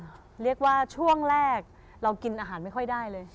เรียกว่าช่วงแรกเรากินอาหารไม่ค่อยได้เลย